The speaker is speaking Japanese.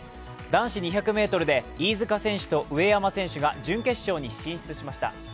男子２００ｍで飯塚選手と上山選手が準決勝に進出しました。